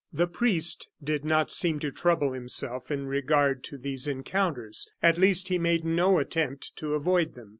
The priest did not seem to trouble himself in regard to these encounters; at least, he made no attempt to avoid them.